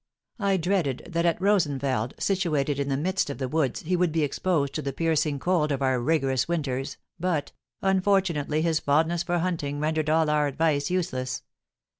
I dreaded that at Rosenfeld, situated in the midst of the woods, he would be exposed to the piercing cold of our rigorous winters, but, unfortunately, his fondness for hunting rendered all our advice useless.